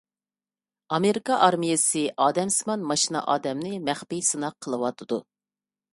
ئامېرىكا ئارمىيەسى ئادەمسىمان ماشىنا ئادەمنى مەخپىي سىناق قىلىۋاتىدۇ.